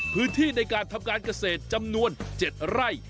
พื้นที่ในการทำการเกษตรจำนวน๗ไร่